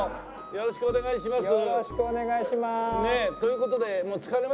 よろしくお願いします。